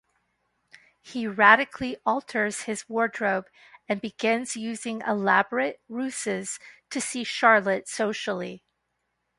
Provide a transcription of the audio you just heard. He radically alters his wardrobe and begins using elaborate ruses to see Charlotte socially.